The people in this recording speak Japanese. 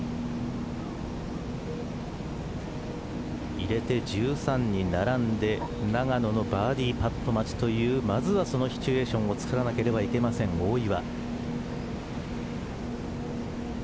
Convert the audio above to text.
入れて１３に並んで永野のバーディーパット待ちというまずはそのシチュエーションを作らなければいけません大岩。